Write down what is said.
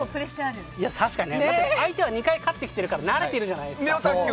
相手は２回勝ってきてるから慣れてるじゃないですか。